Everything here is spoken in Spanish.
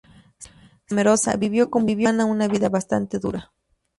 Siempre temerosa, vivió como humana una vida bastante dura.